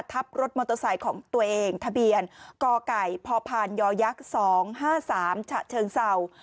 ทับรถมอเตอร์ไซค์ของตัวเองทะเบียนกไก่พพยักษ์๒๕๓ฉะเชิงเศร้า